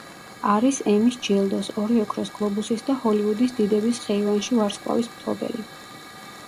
არის ემის ჯილდოს, ორი ოქროს გლობუსის და ჰოლივუდის დიდების ხეივანში ვარსკვლავის მფლობელი.